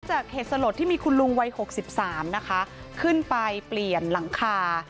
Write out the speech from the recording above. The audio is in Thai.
เหตุสลดที่มีคุณลุงวัย๖๓นะคะขึ้นไปเปลี่ยนหลังคา